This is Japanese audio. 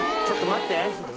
ちょっと待って。